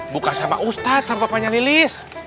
buka sama ustadz sama papanya lilis